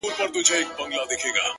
گرانه شاعره له مودو راهسي ـ